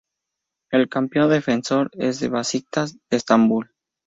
El campeón defensor es el Beşiktaş de Estambul.